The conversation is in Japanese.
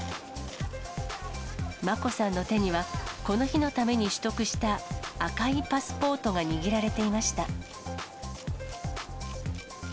眞子さんの手には、この日のために取得した赤いパスポートが握られていました。